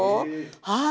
はい。